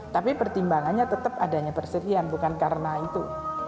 tapi pertimbangannya tetap adanya perserian bukan karena itu